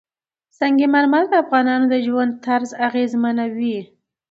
سنگ مرمر د افغانانو د ژوند طرز اغېزمنوي.